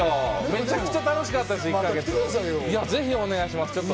めちゃくちゃ楽しかっまたお願いします。